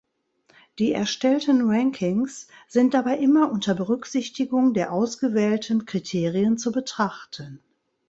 Die erstellten Rankings sind dabei immer unter Berücksichtigung der ausgewählten Kriterien zu betrachten.